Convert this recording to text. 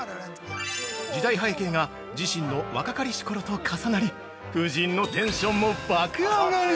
◆時代背景が自身の若かりしころと重なり夫人のテンションも爆上がり！